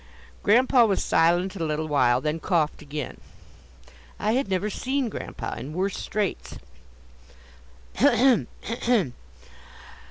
Grandpa was silent a little while, then coughed again. I had never seen Grandpa in worse straits. "A hem! a hem!